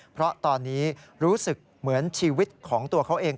เพราะตอนนี้รู้สึกเหมือนชีวิตของตัวเขาเอง